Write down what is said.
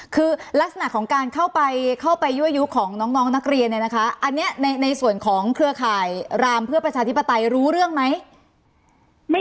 คือลักษณะของการเข้าไปยั่วยุของน้องนักเรียนเนี่ยนะคะอันนี้ในส่วนของเครือข่ายรามเพื่อประชาธิปไตยรู้เรื่องไหม